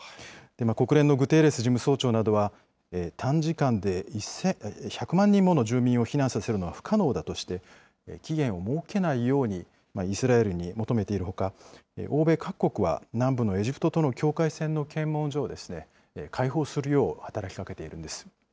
国連のグテーレス事務総長などは、短時間で１００万人もの住民を避難させるのは不可能だとして、期限を設けないようにイスラエルに求めているほか、欧米各国は、南部のエジプトとの境界線の検問所を開放するよう働きかけているんです。